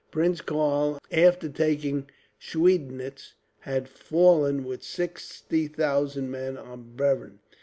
Prince Karl, after taking Schweidnitz, had fallen with sixty thousand men on Bevern.